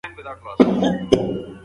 پښتو ځانته په کلیو کي نه ویل کېږي.